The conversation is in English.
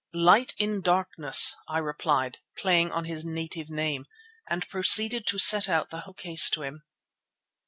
"Light in darkness!" I replied, playing on his native name, and proceeded to set out the whole case to him.